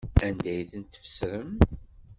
Anda ay tent-tfesrem?